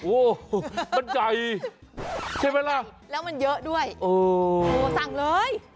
โอ้โหมันใหญ่ใช่ไหมล่ะแล้วมันเยอะด้วยโอ้โหสั่งเลย